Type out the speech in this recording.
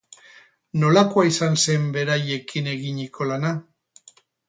Nolakoa izan zen beraiekin eginiko lana?